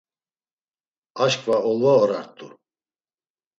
Aşǩva olva orart̆u.